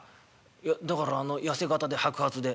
「いやだから痩せ形で白髪で」。